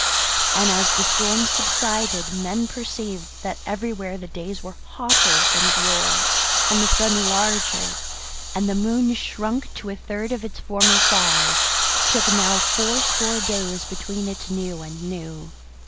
And as the storms subsided men perceived that everywhere the days were hotter than of yore, and the sun larger, and the moon, shrunk to a third of its former size, took now fourscore days between its new and new.